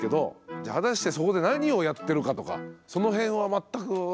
じゃあ果たしてそこで何をやってるかとかその辺は全く私はちょっと分からないですね。